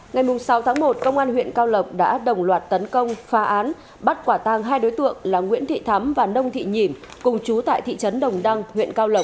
ngày sáu tháng một công an huyện cao lộc đã đồng loạt tấn công phá án bắt quả tang hai đối tượng là nguyễn thị thắm và nông thị nhìm cùng chú tại thị trấn đồng đăng huyện cao lộc